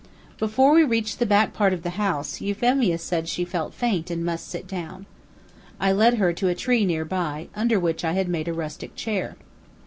Before we reached the back part of the house, Euphemia said she felt faint and must sit down. I led her to a tree near by, under which I had made a rustic chair.